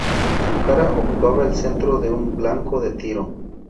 Su cara ocupaba el centro de un blanco de tiro.